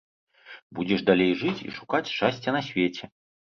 Будзеш далей жыць і шукаць шчасця на свеце.